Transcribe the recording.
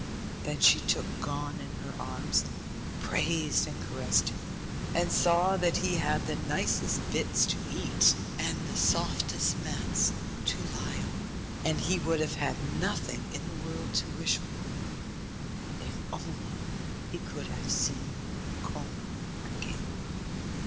Then she took Gon in her arms, and praised and caressed him, and saw that he had the nicest bits to eat, and the softest mats to lie on; and he would have had nothing in the world to wish for if only he could have seen Koma again.